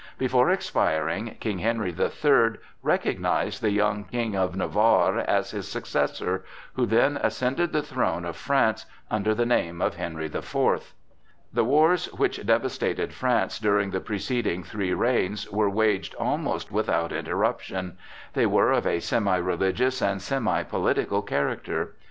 Before expiring, King Henry the Third recognized the young King of Navarre as his successor, who then ascended the throne of France under the name of Henry the Fourth. The wars which devastated France during the preceding three reigns were waged almost without interruption; they were of a semi religious and semi political character.